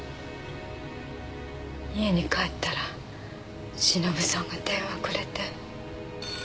家に帰ったら忍さんが電話くれて。